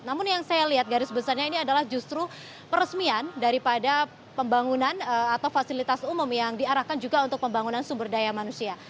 namun yang saya lihat garis besarnya ini adalah justru peresmian daripada pembangunan atau fasilitas umum yang diarahkan juga untuk pembangunan sumber daya manusia